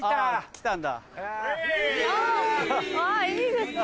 うわいいですね。